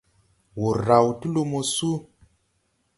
Wùr ráw ti lumo súu.